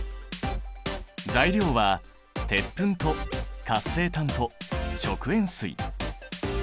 材料は鉄粉と活性炭と食塩水。